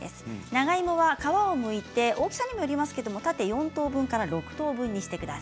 長芋は皮をむいて大きさにもよりますけど縦４等分から６等分です。